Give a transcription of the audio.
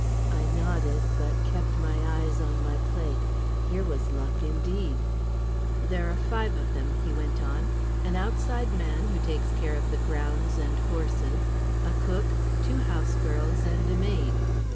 I nodded, but kept my eyes on my plate. Here was luck, indeed! "There are five of them," he went on; "an outside man, who takes care of the grounds and horses; a cook, two house girls, and a maid.